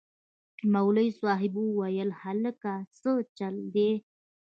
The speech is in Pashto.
مولوي صاحب وويل هلکه سه چل دې.